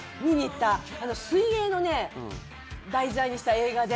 水泳を題材にした映画で。